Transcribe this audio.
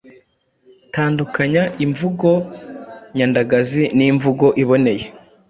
Tandukanya imvugo nyandagazi n’imvugo iboneye,